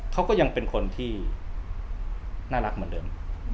เขาก็ยังเป็นคนที่น่ารักเหมือนเดิม